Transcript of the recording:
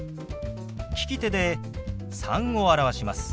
利き手で「３」を表します。